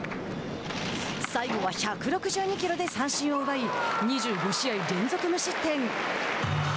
最後は１６２キロで三振を奪い２５試合連続無失点。